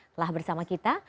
telah bersama kita